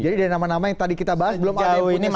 jadi dari nama nama yang tadi kita bahas belum ada yang